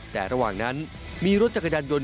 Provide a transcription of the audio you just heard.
แต่ระหว่างนั้นมีรถจักรยานยนต